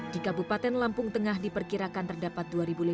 di kabupaten lampung tengah diperkirakan terdapat